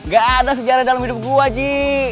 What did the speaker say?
gak ada sejarah dalam hidup gua ji